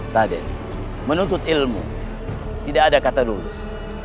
tadi menuntut ilmu tidak ada kata lulus